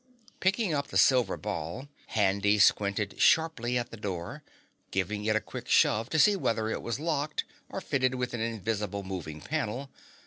Picking up the silver ball, Handy squinted sharply at the door, giving it a quick shove to see whether it was locked or fitted with an invisible moving panel.